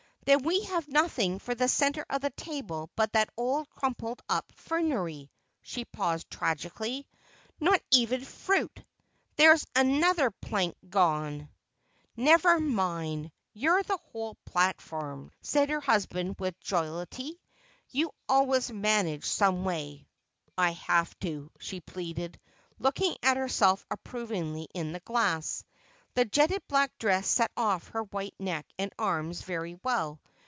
"Then we have nothing for the center of the table but that old crumpled up fernery," she paused tragically. "Not even fruit! There's another plank gone." "Never mind, you're the whole platform," said her husband with jollity. "You always manage some way." "I have to," she pleaded, looking at herself approvingly in the glass. The jetted black dress set off her white neck and arms very well.